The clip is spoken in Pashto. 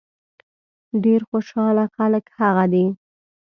ډېر خوشاله خلک هغه دي.